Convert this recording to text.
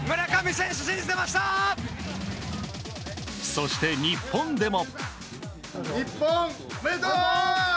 そして日本でも。